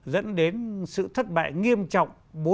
dẫn đến sự thất bại nghiêm trọng